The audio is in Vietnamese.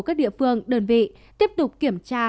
các địa phương đơn vị tiếp tục kiểm tra